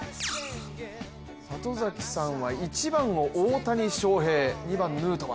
里崎さんは、１番を大谷翔平２番・ヌートバー